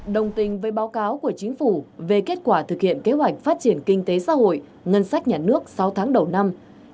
đồng tình với báo cáo của chính phủ về kết quả thực hiện kế hoạch phát triển kinh tế xã hội ngân sách nhà nước sáu tháng đầu năm